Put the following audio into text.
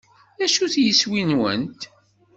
D acu-t yiswi-nwent?